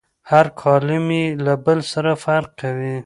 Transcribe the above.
هر کالم یې له بل سره فرق کوي.